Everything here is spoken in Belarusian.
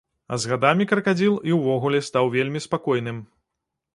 А з гадамі кракадзіл і ўвогуле стаў вельмі спакойным.